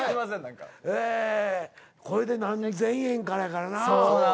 これで何千円かやからな。